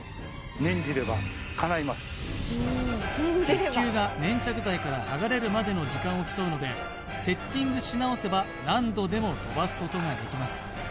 鉄球が粘着剤から剥がれるまでの時間を競うのでセッティングし直せば何度でも飛ばすことができます